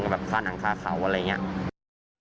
แบบค่าหนังคาเขาอะไรอย่างนี้